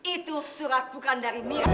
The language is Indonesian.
itu surat bukan dari miram ma